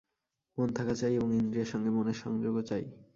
মন থাকা চাই এবং ইন্দ্রিয়ের সঙ্গে মনের সংযোগও চাই।